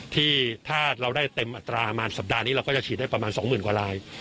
ที่ถ้าเราได้เต็มอัตราประมาณสัปดาห์นี้เราก็จะฉีดได้ประมาณ๒๐๐๐กว่าลาย